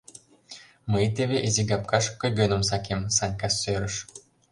— Мый теве изигапкаш кӧгӧным сакем, — Санька сӧрыш.